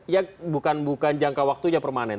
ya bukan jangka waktu aja permanen